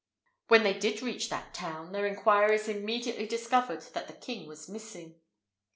When they did reach that town, their inquiries immediately discovered that the king was missing.